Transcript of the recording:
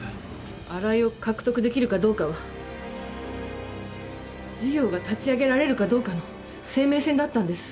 新井を獲得できるかどうかは事業が立ち上げられるかどうかの生命線だったんです。